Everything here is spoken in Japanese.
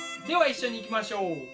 では一緒にいきましょう。